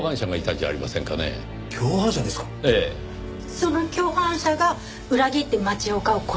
その共犯者が裏切って町岡を殺した？